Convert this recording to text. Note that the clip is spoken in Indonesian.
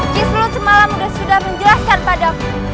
kisulut semalam sudah menjelaskan padaku